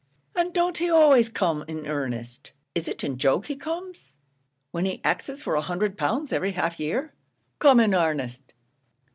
"And don't he always come in 'arnest? is it in joke he comes, when he axes for a hundred pound every half year? come in 'arnest!